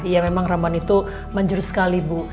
ya memang ramuan itu manjur sekali bu